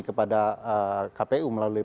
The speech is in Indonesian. kepada kpu melalui